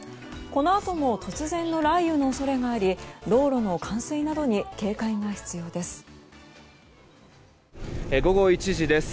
このあとも突然の雷雨の恐れがあり道路の冠水などに警戒が必要です。